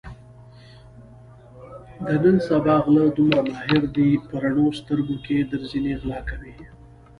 د نن سبا غله دومره ماهر دي په رڼو سترګو کې درځنې غلا کوي.